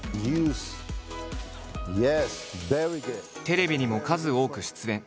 テレビにも数多く出演。